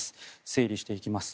整理していきます。